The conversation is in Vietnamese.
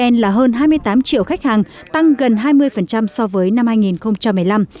evn là hơn hai mươi tám triệu khách hàng tăng gần hai mươi so với năm hai nghìn một mươi năm